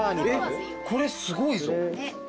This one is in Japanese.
これすごいぞ。